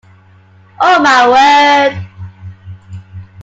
Oh my word.